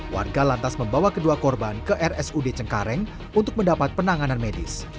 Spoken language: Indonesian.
warga lantas membawa kedua korban ke rsud cengkareng untuk mendapat penanganan medis